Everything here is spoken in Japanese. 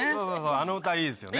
あの歌いいですよね。